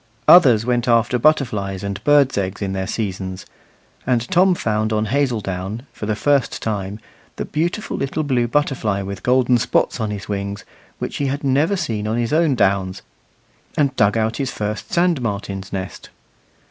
Others went after butterflies and birds' eggs in their seasons; and Tom found on Hazeldown, for the first time, the beautiful little blue butterfly with golden spots on his wings, which he had never seen on his own downs, and dug out his first sand martin's nest.